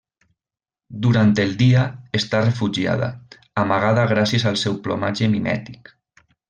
Durant el dia, està refugiada, amagada gràcies al seu plomatge mimètic.